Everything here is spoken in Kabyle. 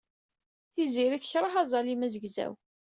Tiziri tekṛeh aẓalim azegzaw.